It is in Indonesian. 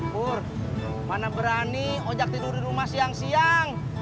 pur mana berani ojak tidur dirumah siang siang